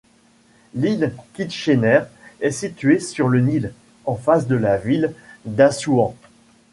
L'île Kitchener est située sur le Nil, en face de la ville d'Assouan.